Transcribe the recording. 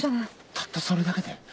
たったそれだけで？